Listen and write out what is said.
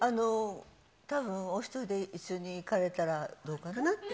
たぶん、お１人で一緒に行かれたら、どうかなと。